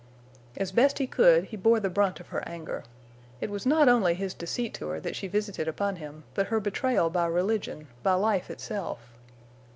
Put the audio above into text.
As best he could, he bore the brunt of her anger. It was not only his deceit to her that she visited upon him, but her betrayal by religion, by life itself.